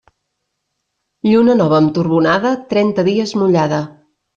Lluna nova amb torbonada, trenta dies mullada.